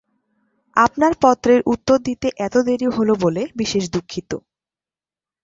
আপনার পত্রের উত্তর দিতে এত দেরী হল বলে বিশেষ দুঃখিত।